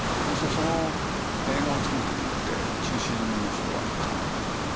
そうするとその映画を作る時って中心の人は監督でしょ。